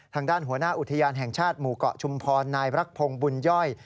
ทางด้านหัวหน้าอุทยานแห่งชาติหมู่เกาะชุมพรนายรักพงศ์บุญย่อย